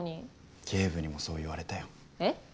警部にもそう言われたよ。え？